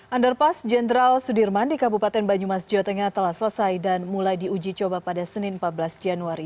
underpass jenderal sudirman di kabupaten banyumas jawa tengah telah selesai dan mulai diuji coba pada senin empat belas januari